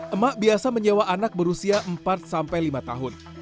emak biasa menyewa anak berusia empat sampai lima tahun